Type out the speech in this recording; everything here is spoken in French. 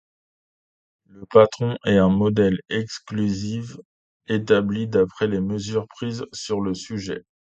Le patron est un modèle exclusif établi d'après les mesures prises sur le sujet.